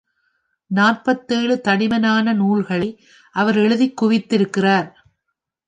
நாற்பத்தேழு தடிமனான நூல்களை அவர் எழுதிக் குவித்திருக்கிறார்.